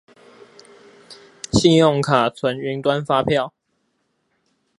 信用卡存雲端發票